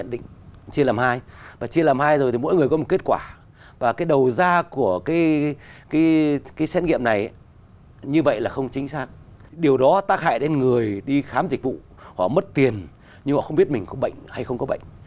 như vậy là không chính xác điều đó tác hại đến người đi khám dịch vụ họ mất tiền nhưng họ không biết mình có bệnh hay không có bệnh